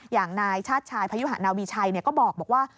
อย่างนายชาติชายพยุหานาวีชัยก็บอกว่า